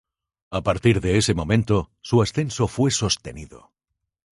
A partir de ese momento su ascenso fue sostenido.